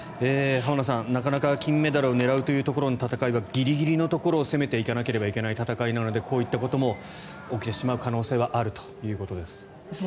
浜田さん、なかなか金メダルを狙うところの戦いはギリギリのところを攻めていかなければいけない戦いなのでこういったことも起きてしまう可能性があるということです。